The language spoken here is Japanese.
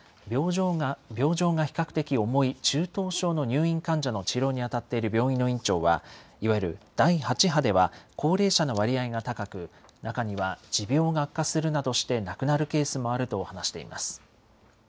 病状が比較的重い中等症の入院患者の治療に当たっている病院の院長は、いわゆる第８波では高齢者の割合が高く、中には持病が悪化するなどして亡くなるケースもあると話しています。